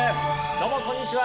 どうもこんにちは。